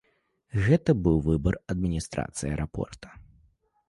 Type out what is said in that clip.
Гэта быў выбар адміністрацыі аэрапорта.